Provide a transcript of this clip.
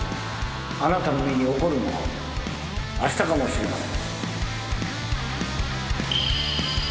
あなたの身に起こるのはあしたかもしれません。